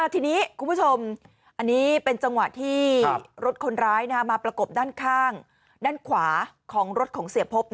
ทีนี้คุณผู้ชมอันนี้เป็นจังหวะที่รถคนร้ายมาประกบด้านข้างด้านขวาของรถของเสียพบ